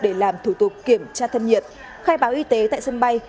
để làm thủ tục kiểm tra thân nhiệt khai báo y tế tại sân bay